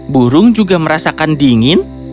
burung juga merasakan dingin